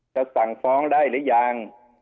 สั่งฟ้องได้หรือยัง